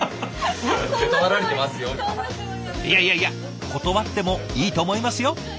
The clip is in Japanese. いやいやいや断ってもいいと思いますよ！